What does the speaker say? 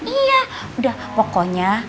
iya udah pokoknya